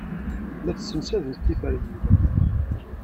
La tessemsademt tiferyin.